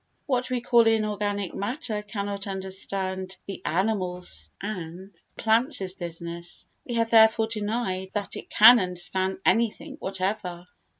What we call inorganic matter cannot understand the animals' and plants' business, we have therefore denied that it can understand anything whatever.